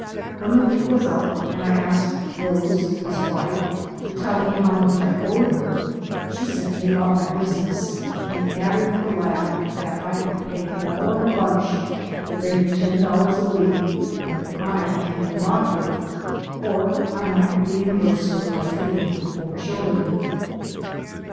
When the week was up and I asked Rose, his wife, to tell me how much I owed her, she sent me about my business, and added with a laugh that I could pay all in a bunch at the rate of ten dollars a week when I became a doctor, or I might reimburse her by treating her four children.